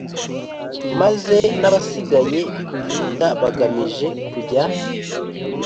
Maze n abasigaye b i buyuda bagamije kujya